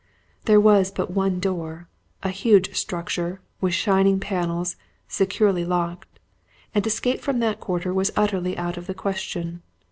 There was but one door a huge structure, with shining panels, securely locked; and escape from that quarter was utterly out of the question.